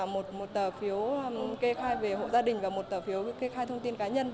một tờ phiếu kê khai về hộ gia đình và một tờ phiếu kê khai thông tin cá nhân